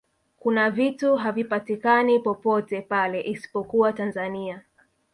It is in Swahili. kuna vitu havipatikani popote pale isipokuwa tanzania